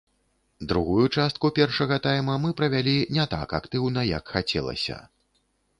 Другую частку першага тайма мы правялі не так актыўна, як хацелася.